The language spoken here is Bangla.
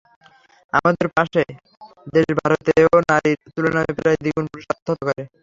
আমাদের পাশের দেশ ভারতেও নারীর তুলনায় প্রায় দ্বিগুণ পুরুষ আত্মহত্যা করে।